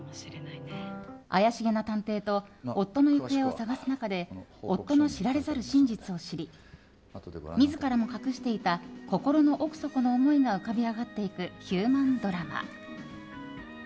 怪しげな探偵と夫の行方を捜す中で夫の知られざる真実を知り自らの隠していた心の奥底の思いが浮かび上がっていくヒューマンドラマ。